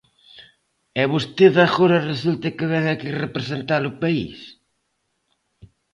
¡E vostede agora resulta que vén aquí representar o país!